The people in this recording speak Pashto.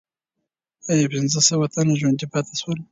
آیا پنځه سوه تنه ژوندي پاتې سول؟